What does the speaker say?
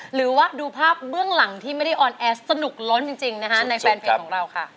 หรือว่าดูภาพเบื้องหลังที่ไม่ได้ออนแอร์สนุกล้นจริงนะคะในแฟนเพลงของเราค่ะ